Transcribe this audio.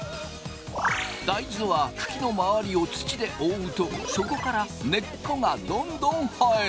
大豆は茎の周りを土で覆うとそこから根っこがどんどん生える。